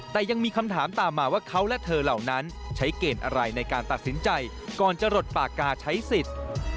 แต่ยังมีคำถามตามมาว่าเขาและเธอเหล่านั้นใช้เกณฑ์อะไรในการตัดสินใจก่อนจะหลดปากกาใช้สิทธิ์